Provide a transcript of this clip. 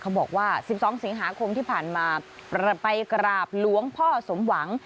บอกว่า๑๒สิงหาคมที่ผ่านมาไปกราบหลวงพ่อสมหวัง